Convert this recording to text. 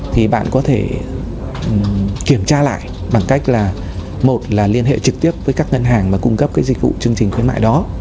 thì bạn có thể kiểm tra lại bằng cách là một là liên hệ trực tiếp với các ngân hàng mà cung cấp cái dịch vụ chương trình khuyến mại đó